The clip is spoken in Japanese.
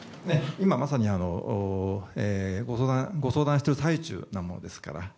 今、まさにご相談している最中なものですから。